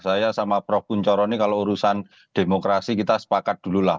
saya sama prof kunchoroni kalau urusan demokrasi kita sepakat dulu lah